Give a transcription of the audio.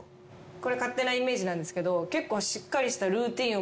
これ勝手なイメージなんですけど結構。